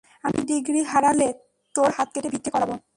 আমি ডিগ্রি হারালে, তোর হাত কেটে ভিক্ষে করাবো।